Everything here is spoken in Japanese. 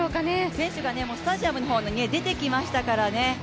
選手がスタジアムの方に出てきましたからね。